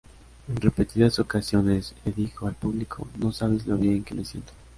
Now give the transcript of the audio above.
En repetidas ocasiones le dijo al público:" No sabes lo bien que me siento".